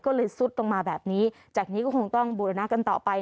ก็เลยซุดลงมาแบบนี้จากนี้ก็คงต้องบูรณะกันต่อไป